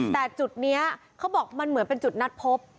แต่จุดนี้เขาบอกมันเหมือนเป็นจุดนัดพบ